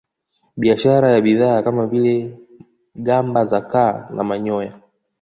Biashara ya bidhaa kama vile gamba za kaa na manyoya